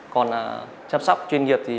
còn chăm sóc chuyên nghiệp